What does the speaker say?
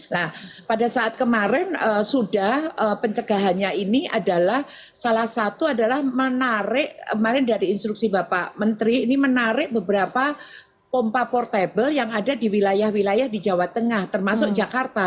nah pada saat kemarin sudah pencegahannya ini adalah salah satu adalah menarik kemarin dari instruksi bapak menteri ini menarik beberapa pompa portable yang ada di wilayah wilayah di jawa tengah termasuk jakarta